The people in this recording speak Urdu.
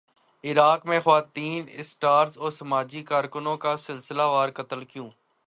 عراق میں خواتین اسٹارز اور سماجی کارکنوں کا سلسلہ وار قتل کیوں